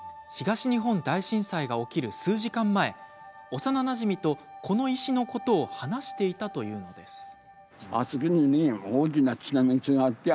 東日本大震災が起きる数時間前幼なじみと、この石のことを話していたというのです。